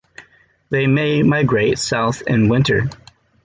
They may migrate south in winter.